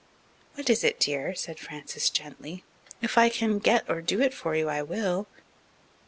"What is it, dear?" said Frances gently. "If I can get or do it for you, I will."